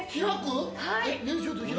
はい。